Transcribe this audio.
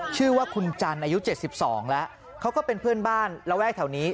ชื่อว่าคุณจันทร์อายุ๗๒แล้วเขาก็เป็นเพื่อนบ้านระแวกแถวนี้